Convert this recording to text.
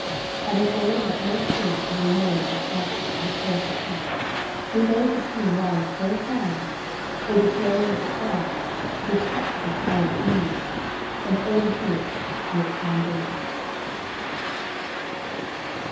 And in order that no trace should remain of the frightful and accursed place, he made the sea rise so high that, overflowing its bounds, it attacked the tower furiously, and overthrew it to its foundations.